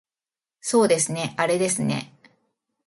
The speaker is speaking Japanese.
そうですねあれですね